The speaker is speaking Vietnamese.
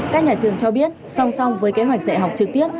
các nhà trường cho biết song song với kế hoạch dạy học trực tiếp